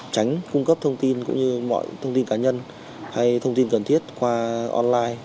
tránh cung cấp thông tin cũng như mọi thông tin cá nhân hay thông tin cần thiết qua online